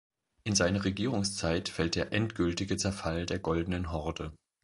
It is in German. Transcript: In seine Regierungszeit fällt der endgültige Zerfall der Goldenen Horde.